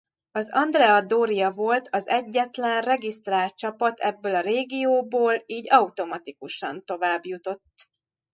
Az Andrea Doria volt az egyetlen regisztrált csapat ebből a régióból így automatikusan továbbjutott.